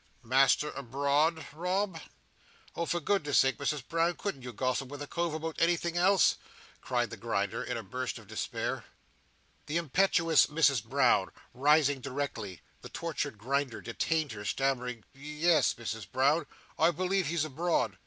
"Master abroad, Rob?" "Oh, for goodness' sake, Misses Brown, couldn't you gossip with a cove about anything else?" cried the Grinder, in a burst of despair. The impetuous Mrs Brown rising directly, the tortured Grinder detained her, stammering "Ye es, Misses Brown, I believe he's abroad.